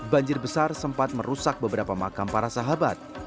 banjir besar sempat merusak beberapa makam para sahabat